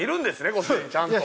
ご主人ちゃんと。